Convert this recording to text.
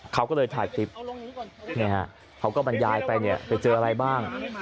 เขาก็เลยถ่ายคลิปเขาก็บรรยายไปเนี่ยไปเจออะไรบ้าง